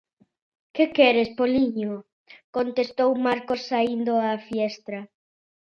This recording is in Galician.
Que queres, poliño? contestou Marcos saíndo á fiestra.